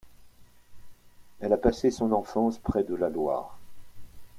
Elle a passé son enfance près de la Loire.